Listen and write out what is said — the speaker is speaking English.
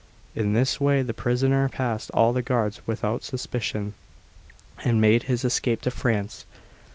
In this way the prisoner passed all the guards without suspicion, and made his escape to France.